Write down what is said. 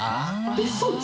別荘地？